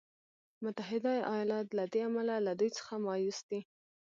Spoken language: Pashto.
متحده ایالات له دې امله له دوی څخه مایوس دی.